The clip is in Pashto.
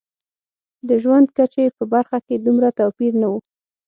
د ژوند کچې په برخه کې دومره توپیر نه و.